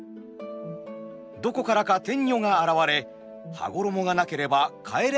どこからか天女が現れ羽衣がなければ帰れないと訴えます。